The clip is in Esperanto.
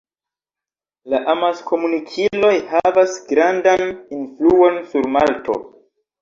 La amaskomunikiloj havas grandan influon sur Malto.